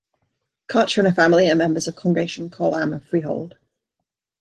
Karcher and her family are members of Congregation Kol Am, of Freehold.